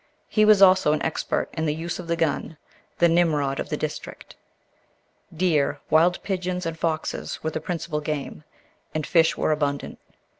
He was also an expert in the use of the gun—the Nimrod of the district. Deer, wild pigeons and foxes were the principal game, and fish were abundant.